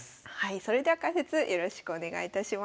それでは解説よろしくお願いいたします。